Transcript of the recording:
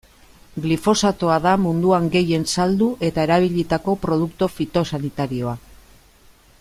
Glifosatoa da munduan gehien saldu eta erabilitako produktu fitosanitarioa.